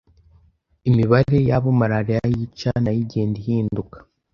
Imibare y'abo malaria yica nayo igenda ihinduka